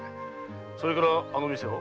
それからあの店を？